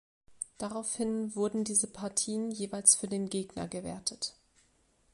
Daraufhin wurden diese Partien jeweils für den Gegner gewertet.